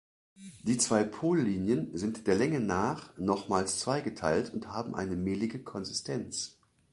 Die zwei Pollinien sind der Länge nach nochmals zweigeteilt und haben eine mehlige Konsistenz.